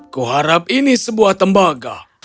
kuharap ini sebuah tembaga